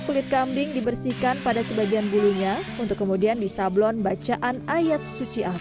kulit kambing dibersihkan pada sebagian bulunya untuk kemudian disablon bacaan ayat suci ahmad